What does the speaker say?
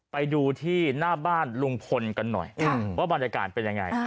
ไปดูที่หน้าบ้านลุงพลกันหน่อยว่าบรรยากาศเป็นยังไง